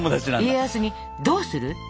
家康に「どうする？